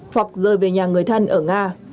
hoặc rời về nhà người thân ở nga